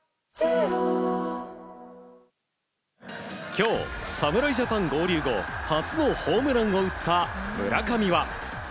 今日、侍ジャパン合流後初のホームランを打った村上は。